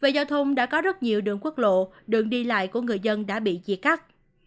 về giao thông đã có rất nhiều đường quốc lộ đường đi lại của người dân đã bị chia cắt